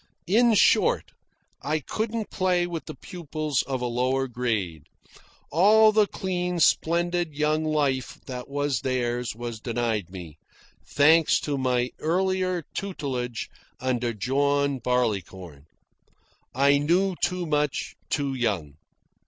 In short, I couldn't play with the pupils of a lower grade. All the clean splendid young life that was theirs was denied me thanks to my earlier tutelage under John Barleycorn. I knew too much too young.